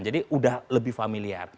jadi sudah lebih familiar